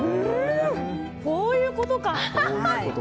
こういうことか。